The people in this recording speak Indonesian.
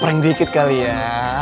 prank dikit kali ya